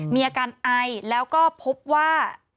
มีอาการไอแล้วก็พบว่า